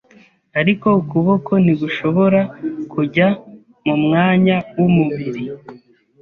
ariko ukuboko ntigushobora kujya mu mwanya w’umubiri.